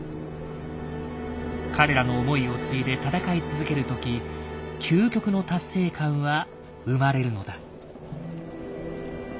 彼らの思いを継いで戦い続ける時「究極の達成感」は生まれるのだ。